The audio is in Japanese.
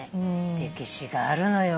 歴史があるのよ。